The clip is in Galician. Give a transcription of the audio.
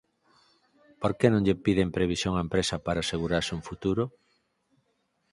¿Por que non lle piden previsión á empresa para asegurarse un futuro?